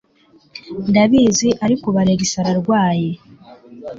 Ndabizi, ariko ubu Alex ararwaye.